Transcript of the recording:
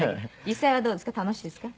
実際はどうですか？